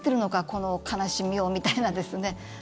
この悲しみをみたいなですね